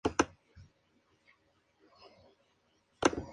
Las lunas más cercanas a su planeta que el borde habitable son inhabitables.